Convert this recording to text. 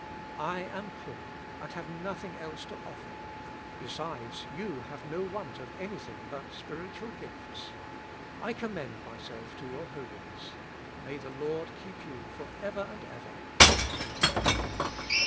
I am poor, and have nothing else to offer; besides, you have no want of any thing but spiritual gifts. I commend myself to your Holiness. May the Lord keep you for ever and ever, amen."